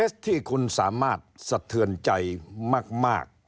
ที่คุณสามารถสะเทือนใจมาก